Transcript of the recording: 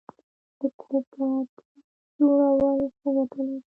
د کوپراتیف جوړول څه ګټه لري؟